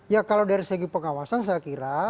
ya kalau dari segi pengawasan saya kira